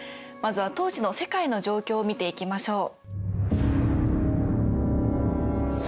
まずは当時の世界の状況を見ていきましょう。